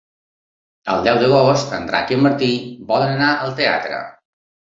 El deu d'agost en Drac i en Martí volen anar al teatre.